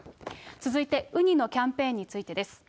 続いて、ウニのキャンペーンについてです。